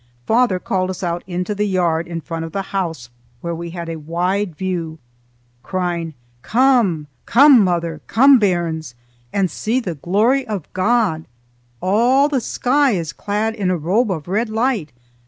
Father called us out into the yard in front of the house where we had a wide view, crying, "Come! Come, mother! Come, bairns! and see the glory of God. All the sky is clad in a robe of red light.